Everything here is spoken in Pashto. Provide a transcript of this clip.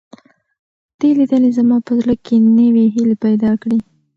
دې لیدنې زما په زړه کې نوې هیلې پیدا کړې.